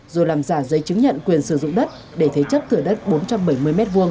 rồi làm giả giấy chứng nhận quyền sử dụng đất để thế chấp thửa đất bốn trăm bảy mươi m hai